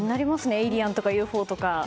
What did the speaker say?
エイリアンとかＵＦＯとか。